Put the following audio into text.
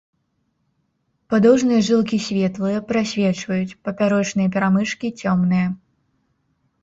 Падоўжныя жылкі светлыя, прасвечваюць, папярочныя перамычкі цёмныя.